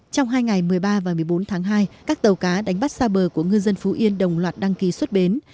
trong hai ngày một mươi ba và một mươi bốn tháng hai các tàu cá đánh bắt xa bờ của ngư dân phú yên đồng loạt đăng ký xuất bến